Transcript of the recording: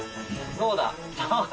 どうだ？